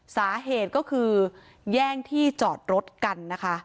สาเหตุก็คือแย่งที่จอดรถกันนะคะ